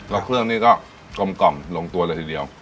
แล้วเครื่องนี่ก็กลมกล่อมลงตัวเลยทีเดียว